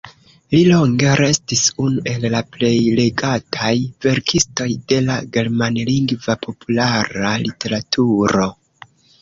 Li longe restis unu el la plej legataj verkistoj de la germanlingva populara literaturo.